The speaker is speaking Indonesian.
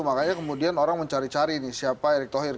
makanya kemudian orang mencari cari nih siapa erick thohir